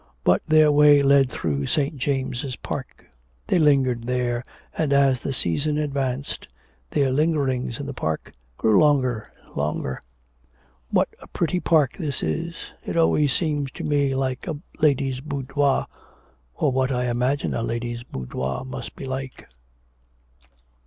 But their way led through St. James' Park; they lingered there, and, as the season advanced, their lingerings in the park grew longer and longer. 'What a pretty park this is. It always seems to me like a lady's boudoir, or what I imagine a lady's boudoir must be like.'